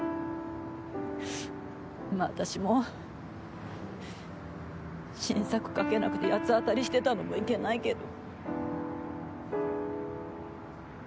まあ私も、新作書けなくて八つ当たりしてたのもいけないけど。